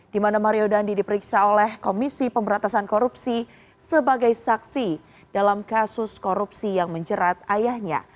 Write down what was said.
di mana mario dandi diperiksa oleh komisi pemberatasan korupsi sebagai saksi dalam kasus korupsi yang menjerat ayahnya